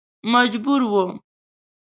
مجبور و.